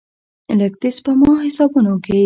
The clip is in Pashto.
لږ، د سپما حسابونو کې